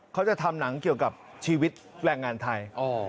เขาจะทำหนังเกี่ยวกับชีวิตแรงงานไทย